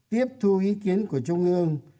tiếp thu ý kiến của trung ương